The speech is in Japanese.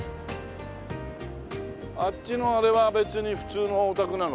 あっちのあれは別に普通のお宅なのかしら？